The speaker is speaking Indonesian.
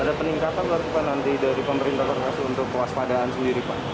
ada peningkatan dari pemerintah kota bekasi untuk kewaspadaan sendiri pak